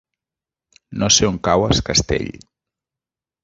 No sé on cau Es Castell.